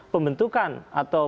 pembentukan atau pemekaran